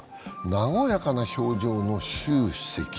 和やかな表情の習主席。